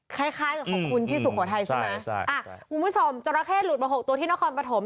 คล้ายกับของคุณที่สุโขทัยใช่ไหมคุณผู้ชมจอระเข้หลุดมา๖ตัวที่นครปฐม